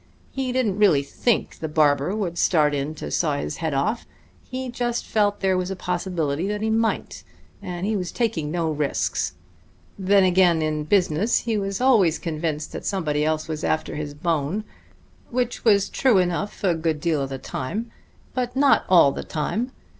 He didn't really think the barber would start in to saw his head off; he just felt there was a possibility that he might, and he was taking no risks. Then again in business he was always convinced that somebody else was after his bone which was true enough a good deal of the time; but not all the time.